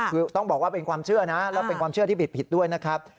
คือต้องบอกว่าเป็นความเชื่อนะแล้วเป็นความเชื่อที่ผิดด้วยนะครับ